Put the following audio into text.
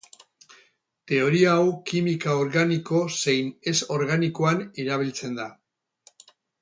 Teoria hau kimika organiko zein ez-organikoan erabiltzen da.